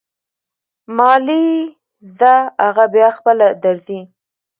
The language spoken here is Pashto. مالې ځه اغه بيا خپله درځي.